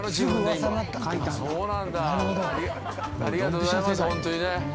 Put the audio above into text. ありがとうございます、本当にね。